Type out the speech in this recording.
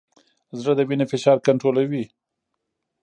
زړه د وینې فشار کنټرولوي.